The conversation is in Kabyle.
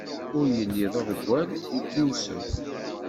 Ur yelli d aḍeggal, ur t-nnuseb.